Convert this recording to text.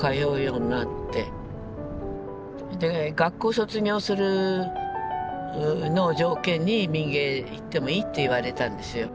学校卒業するのを条件に「民藝」行ってもいいって言われたんですよ。